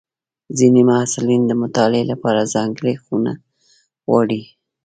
ځینې محصلین د مطالعې لپاره ځانګړې خونه غواړي.